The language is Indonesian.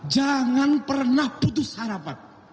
jangan pernah putus harapan